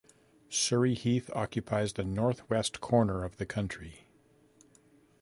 Surrey Heath occupies the northwest corner of the county.